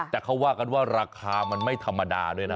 แต่เขาว่ากันว่าราคามันไม่ธรรมดาด้วยนะ